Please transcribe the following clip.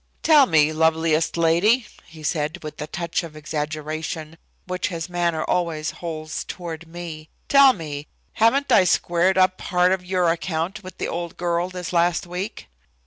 "Tell me, loveliest lady," he said, with the touch of exaggeration which his manner always holds toward me, "tell me, haven't I squared up part of your account with the old girl this last week?"